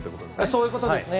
そういうことですね。